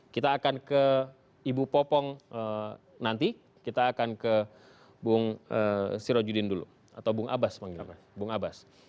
kita akan ke ibu popong nanti kita akan ke bung siro judin dulu atau bung abas